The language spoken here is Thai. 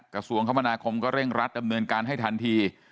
กระทรวงคมนาคมก็เร่งรัดดำเนินการให้ทันที